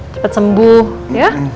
cepet sembuh ya